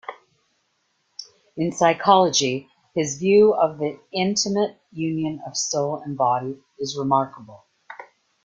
In psychology, his view of the intimate union of soul and body is remarkable.